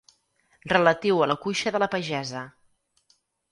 Relatiu a la cuixa de la pagesa.